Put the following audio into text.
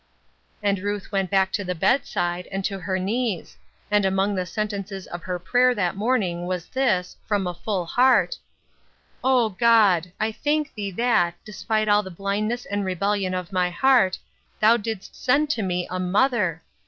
And Ruth went back to the bedside, and to her knees ; and among the sentences of hei prayer that morning was this, from a full heart :" O God I I thank thee, that, despite all the blindness and rebellion of my heart, thou didst gend to me a mother.